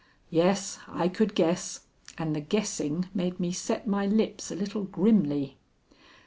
Yes, I could guess, and the guessing made me set my lips a little grimly.